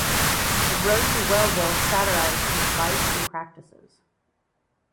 "The Road to Wellville" satirized his life and practices.